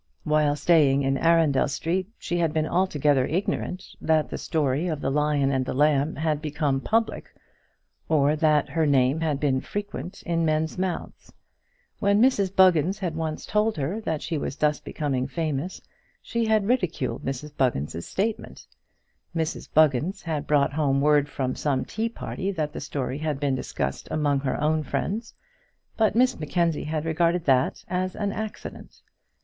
While staying in Arundel Street she had been altogether ignorant that the story of the Lion and the Lamb had become public, or that her name had been frequent in men's mouths. When Mrs Buggins had once told her that she was thus becoming famous, she had ridiculed Mrs Buggins' statement. Mrs Buggins had brought home word from some tea party that the story had been discussed among her own friends; but Miss Mackenzie had regarded that as an accident.